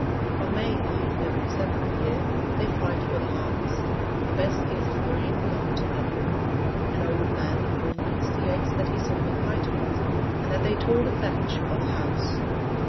On May Eve, every seventh year, they fight for the harvest, for the best ears of grain belong to them. An old man informed Mr. Yeats that he saw them fight once, and that they tore the thatch off a house.